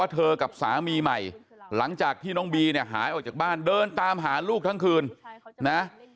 ที่น้องบีหายออกจากบ้านเดินตามหาลูกทั้งคืน